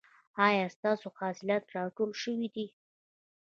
ایا ستاسو حاصلات راټول شوي دي؟